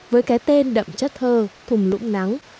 với cái tên đậm chất thơ thùng lũng nắng